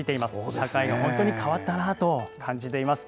社会は本当に変わったなと感じています。